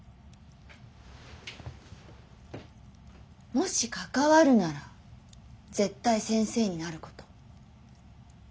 もし関わるなら絶対先生になること。